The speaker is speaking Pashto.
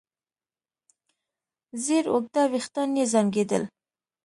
زېړ اوږده وېښتان يې زانګېدل.